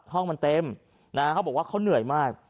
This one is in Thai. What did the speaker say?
ห้องมันเต็มนะฮะเขาบอกว่าเขาเหนื่อยมาก